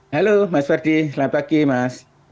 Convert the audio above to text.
halo mas ferdi selamat pagi mas